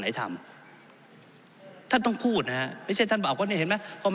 ผมอภิปรายเรื่องการขยายสมภาษณ์รถไฟฟ้าสายสีเขียวนะครับ